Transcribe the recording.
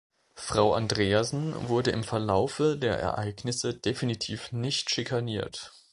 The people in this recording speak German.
Frau Andreasen wurde im Verlaufe der Ereignisse definitiv nicht schikaniert.